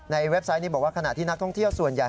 เว็บไซต์นี้บอกว่าขณะที่นักท่องเที่ยวส่วนใหญ่